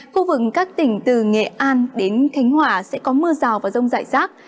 khu vực các tỉnh từ nghệ an đến thánh hòa sẽ có mưa rào và rông dại rác